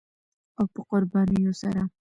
او په قربانیو سره